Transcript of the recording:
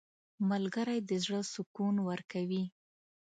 • ملګری د زړه سکون ورکوي.